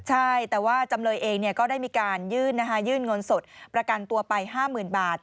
ใช่แต่ว่าจำเลยเองก็ได้มีการยื่นยื่นเงินสดประกันตัวไป๕๐๐๐บาท